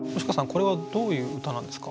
これはどういう歌なんですか？